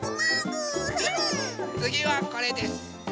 つぎはこれです。